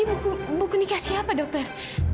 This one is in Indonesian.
ini buku berisi apa dokter